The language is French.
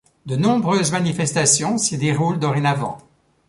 De nombreuses manifestations s’y déroulent dorénavant.